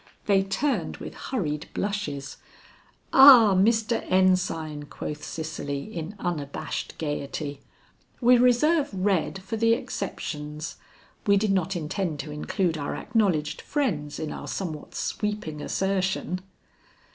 They turned with hurried blushes. "Ah, Mr. Ensign," quoth Cicely in unabashed gaiety, "we reserve red for the exceptions. We did not intend to include our acknowledged friends in our somewhat sweeping assertion."